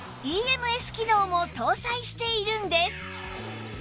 ＥＭＳ 機能も搭載しているんです